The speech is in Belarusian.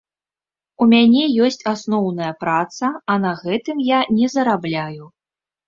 У мяне ёсць асноўная праца, а на гэтым я не зарабляю.